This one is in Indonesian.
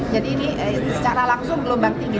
jadi ini secara langsung gelombang tinggi